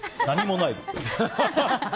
何もない。